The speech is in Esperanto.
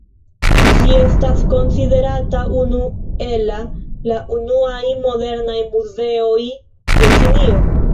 Ĝi estas konsiderata unu ela la unuaj modernaj muzeoj de Ĉinio.